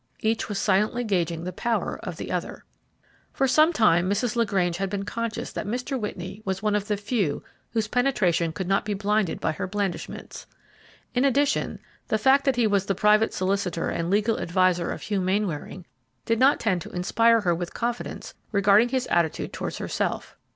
Each was silently gauging the power of the other. For some time, Mrs. LaGrange had been conscious that Mr. Whitney was one of the few whose penetration could not be blinded by her blandishments. In addition, the fact that he was the private solicitor and legal adviser of Hugh Mainwaring did not tend to inspire her with confidence regarding his attitude towards herself.